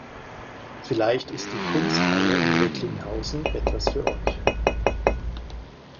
Vielleicht ist die Kunsthalle in Recklinghausen etwas für euch.